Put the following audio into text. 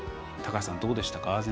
高橋さん、どうでしたか？